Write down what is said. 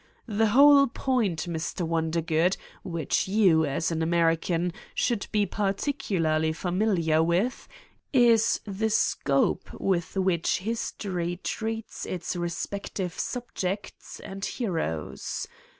The whole point, Mr. Wondergood, which you, as an American, should be particularly familiar with, is in the scope with which history treats its re spective subjects and heroes.